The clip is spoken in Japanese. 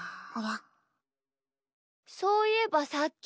そういえばさっき。